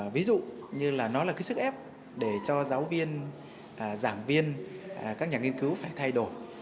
ví dụ như là nó là cái sức ép để cho giáo viên giảng viên các nhà nghiên cứu phải thay đổi